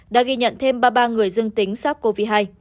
đã ghi nhận thêm ba mươi ba người dương tính sát covid một mươi chín